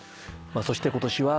そして今年は